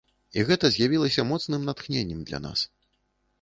І гэта з'явілася моцным натхненнем для нас!